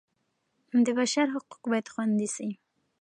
د بشر حقوق باید خوندي سي.